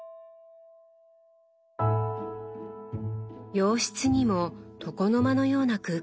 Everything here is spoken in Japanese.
洋室にも床の間のような空間が。